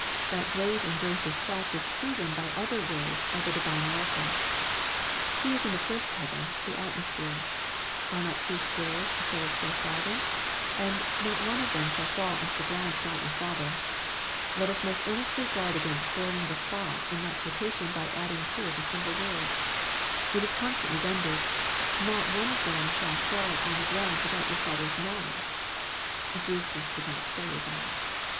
That great and gracious fact is proven by other words of the Di vine oracles. He is in the first heaven, the at mosphere ;" Are not two sparrows sold for a farthing ? and not one of them shall fall on the ground without your Father." Let us most ear nestly guard against spoiling the thought in that quotation by adding to it a single word. It is constantly rendered, " not one of them shall fall on the ground without your Father's hnowledgeP Jesus did not say that.